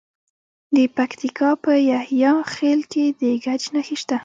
د پکتیکا په یحیی خیل کې د ګچ نښې شته.